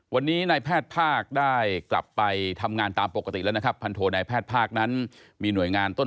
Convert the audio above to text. วันนี้นายแพทย์ภาคได้กลับไปทำงานตามปกติแล้ว